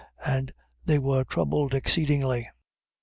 And they were troubled exceedingly.